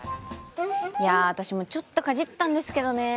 いや私もちょっとかじったんですけどねえ。